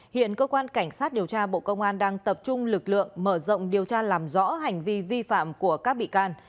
hiện cơ quan cảnh sát điều tra bộ công an đang tập trung lực lượng mở rộng điều tra làm rõ hành vi vi phạm của các bị can